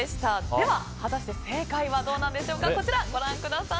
では、果たして正解はどうなんでしょうか。